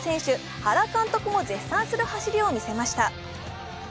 原監督も絶賛する走りを見せました。